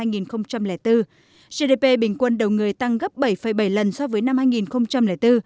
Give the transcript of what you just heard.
gdp bình quân đầu người tăng gấp bảy bảy lần so với năm hai nghìn bốn